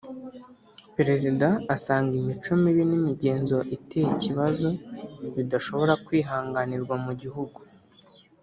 Perezida asanga imico mibi n’imigenzo iteye ikibazo bidashobora kwihanganirwa mu gihugu